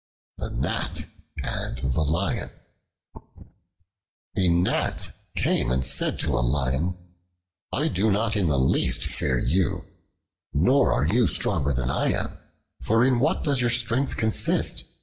The Gnat and the Lion A GNAT came and said to a Lion, "I do not in the least fear you, nor are you stronger than I am. For in what does your strength consist?